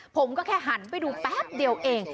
ผมก็แค่หันไปดูแป๊บเดียวเอง